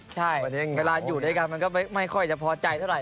ใช่เวลาอยู่ด้วยกันมันก็ไม่ค่อยจะพอใจเท่าไห